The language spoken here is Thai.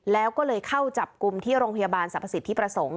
แล้วก็เลยเข้าจับกลุ่มที่โรงพยาบาลสรรพสิทธิประสงค์